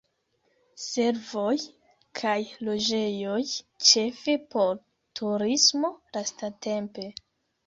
Servoj kaj loĝejoj, ĉefe por turismo lastatempe.